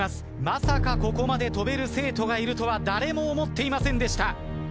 まさかここまで跳べる生徒がいるとは誰も思っていませんでした。